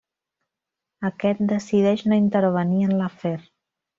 Aquest decideix no intervenir en l'afer.